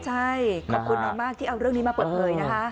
ใช่ขอบคุณน้องมากที่เอาเรื่องนี้มาเปิดเผยนะคะ